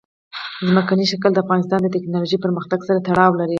ځمکنی شکل د افغانستان د تکنالوژۍ پرمختګ سره تړاو لري.